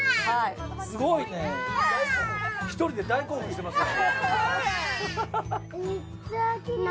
すごいね１人で大興奮してますよ